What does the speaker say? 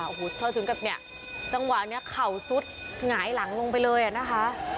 โอ้โหเธอถึงกับเนี่ยจังหวะนี้เข่าซุดหงายหลังลงไปเลยอ่ะนะคะ